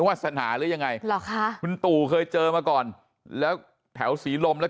วาสนาหรือยังไงหรอคะคุณตู่เคยเจอมาก่อนแล้วแถวศรีลมแล้ว